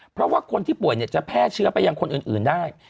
เพราะว่าคนที่ป่วยจะแพร่เชื้อไปยังคนอื่นได้